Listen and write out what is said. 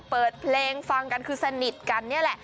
เปิดเพลงฟังกันคือสนิทกันนี่แหละ